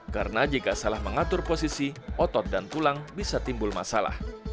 karena jika salah mengatur posisi otot dan tulang bisa timbul masalah